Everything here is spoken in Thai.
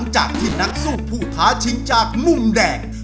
สวัสดีครับสวัสดีครับ